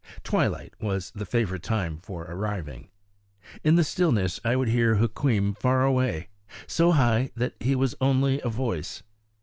Twilight was the favorite time for arriving. In the stillness I would hear Hukweem far away, so high that he was only a voice.